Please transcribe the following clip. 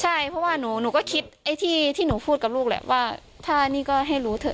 ใช่เพราะว่าหนูก็คิดไอ้ที่หนูพูดกับลูกแหละว่าถ้านี่ก็ให้รู้เถอะ